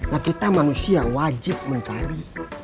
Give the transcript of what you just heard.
nah kita manusia wajib mencari